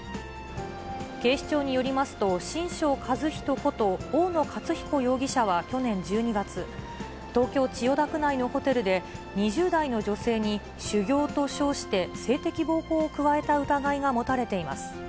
警視庁によりますと、神生一人こと大野勝彦容疑者は去年１２月、東京・千代田区内のホテルで２０代の女性に修行と称して性的暴行を加えた疑いが持たれています。